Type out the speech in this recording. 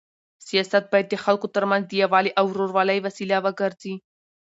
سیاست باید د خلکو تر منځ د یووالي او ورورولۍ وسیله وګرځي.